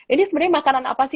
ini sebenarnya makanan apa sih